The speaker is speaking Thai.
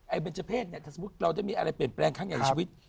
ไอ้เป็นสะเพศเนี่ยถ้าสมมุติเราได้มีอะไรเปลี่ยนแปลงข้างในชีวิต